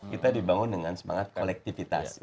kita dibangun dengan semangat kolektivitas